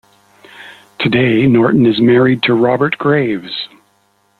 Today, Norton is married to Robert Graves.